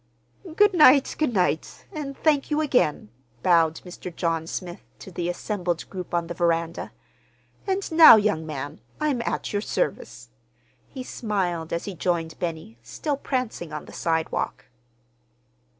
"Good night—good night! And thank you again," bowed Mr. John Smith to the assembled group on the veranda. "And now, young man, I'm at your service," he smiled, as he joined Benny, still prancing on the sidewalk.